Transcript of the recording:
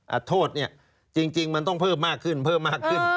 โทษเนี่ยจริงมันต้องเพิ่มมากขึ้นเพิ่มมากขึ้น